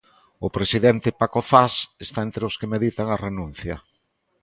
O presidente Paco Zas está entre os que meditan a renuncia.